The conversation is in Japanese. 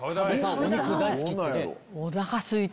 お肉大好きって。